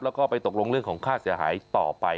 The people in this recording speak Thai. แล้วก็ไปตกลงเรื่องของค่าเสียหายต่อไป